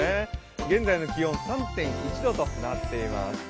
現在の気温、３．１度となっています。